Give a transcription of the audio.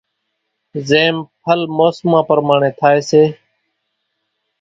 زيم ڦل موسمان پرماڻي ٿائي سي۔